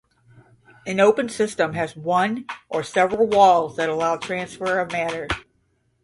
An open system has one or several walls that allow transfer of matter.